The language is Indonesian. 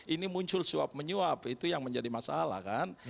ini muncul suap menyuap itu yang menjadi masalah kan